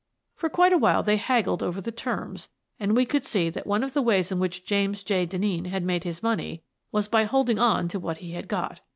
For quite awhile they haggled over the terms, and we could see that one of the ways in which James J. Denneen had made his money was by holding on to what he had got.